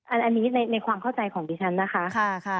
อันนี้ในความเข้าใจของดิฉันนะคะ